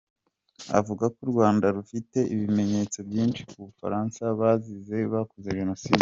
Avuga ko U Rwanda rufite ibimenyetso byinshi ku Bafaransa basize bakoze Jenoside.